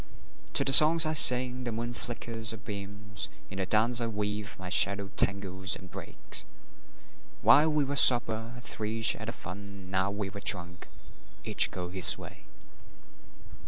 To the songs I sing the moon flickers her beams; In the dance I weave my shadow tangles and breaks. While we were sober, three shared the fun; Now we are drunk, each goes his way.